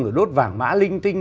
rồi đốt vảng mã linh tinh